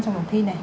trong đồng thi này